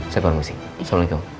saya permisi assalamualaikum